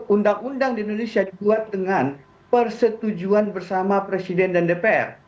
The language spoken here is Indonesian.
undang undang di indonesia dibuat dengan persetujuan bersama presiden dan dpr